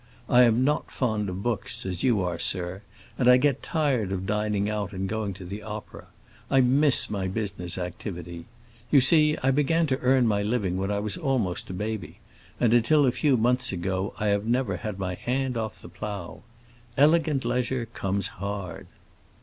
I am not fond of books, as you are, sir, and I get tired of dining out and going to the opera. I miss my business activity. You see, I began to earn my living when I was almost a baby, and until a few months ago I have never had my hand off the plow. Elegant leisure comes hard."